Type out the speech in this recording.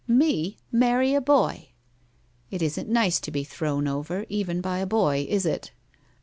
' Me, marry a boy !'' It isn't nice to be thrown over even by a boy, is it?